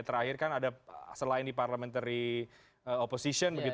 terakhir kan ada selain di parliamentary oposition